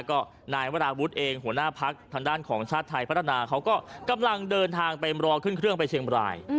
ก็นายวราวุฒิเองหัวหน้าพักทางด้านของชาติไทยพัฒนาเขาก็กำลังเดินทางไปรอขึ้นเครื่องไปเชียงบราย